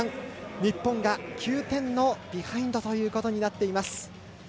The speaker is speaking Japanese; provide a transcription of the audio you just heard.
日本が９点のビハインドとなっています。